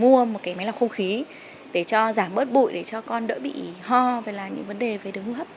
gia đình đã phải mua một cái máy lọc không khí để cho giảm bớt bụi để cho con đỡ bị ho và là những vấn đề về đứng hấp